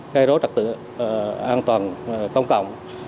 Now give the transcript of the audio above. gây rối trật tự an toàn công cộng